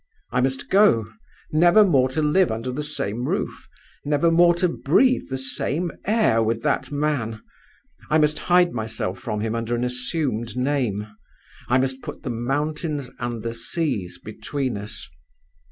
I must go, never more to live under the same roof, never more to breathe the same air with that man. I must hide myself from him under an assumed name; I must put the mountains and the seas between us.